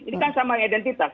ini kan sama identitas